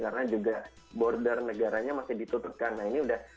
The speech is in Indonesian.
karena juga border negaranya masih ditutupkan nah ini sudah